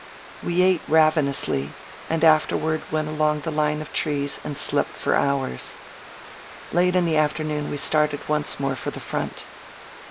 We ate ravenously, and afterward went over along the line of trees and slept for hours. Late in the afternoon we started once more for the front.